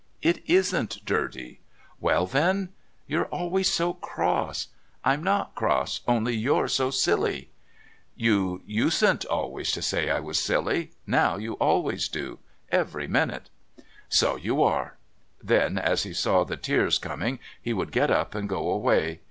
"It isn't dirty." "Well, then " "You're always so cross." "I'm not cross only you're so silly " "You usen't always to say I was silly. Now you always do every minute." "So you are." Then as he saw the tears coming he would get up and go away.